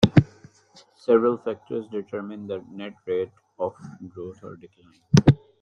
Several factors determine the net rate of growth or decline.